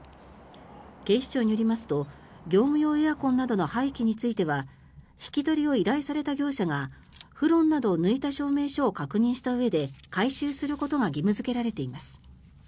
警視庁によりますと業務用エアコンなどの廃棄については引き取りを依頼された業者がフロンなどを抜いた証明書を確認したうえで回収することが義務付けられています。